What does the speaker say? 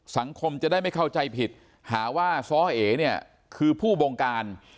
สังคมจะได้ไม่เข้าใจผิดหาว่าซ้อเอเนี่ยคือผู้บงการ